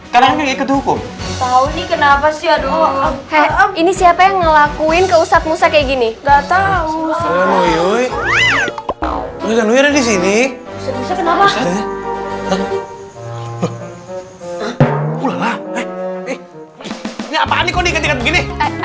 kenapa sih aduh ini siapa yang ngelakuin ke ustadz musa kayak gini